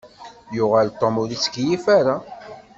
Yuɣal Tom ur ittkeyyif ara.